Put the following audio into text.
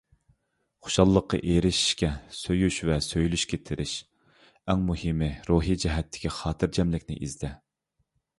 خۇشاللىققا ئېرىشىشكە، سۆيۈش ۋە سۆيۈلۈشكە تىرىش، ئەڭ مۇھىمى، روھىي جەھەتتىكى خاتىرجەملىكنى ئىزدە.